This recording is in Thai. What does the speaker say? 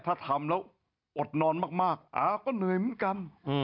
ถ้าทำแล้วอดนอนมากอาก็เหนื่อยเหมือนกัน